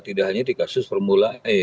tidak hanya di kasus formula e